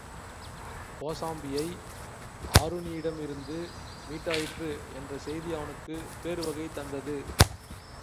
கோசாம்பியை ஆருணியிடமிருந்து மீட்டாயிற்று என்ற செய்தி அவனுக்குப் பேருவகை தந்தது.